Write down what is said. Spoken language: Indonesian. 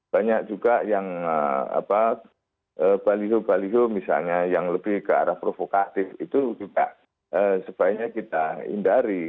banyak juga yang baliho baliho misalnya yang lebih ke arah provokatif itu juga sebaiknya kita hindari